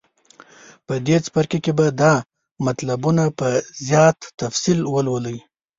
په دې څپرکي کې به دا مطلبونه په زیات تفصیل ولولئ.